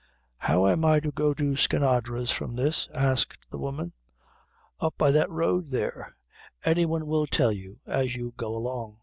"How am I to go to Skinadre's from this?" asked the woman. "Up by that road there; any one will tell you as you go along."